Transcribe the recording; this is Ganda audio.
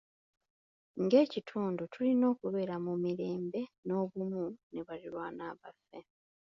Ng'ekitundu, tulina okubeera mu mirembe n'obumu ne baliraanwa baffe.